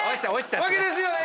負けですよね？